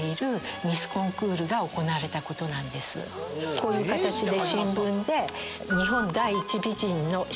こういう形で新聞で。